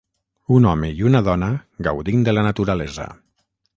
Un home i una dona gaudint de la naturalesa.